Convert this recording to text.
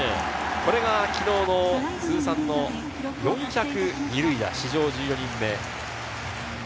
昨日の通算の４００二塁打、史上１４人目。